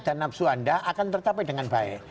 dan nafsu anda akan tertapai dengan baik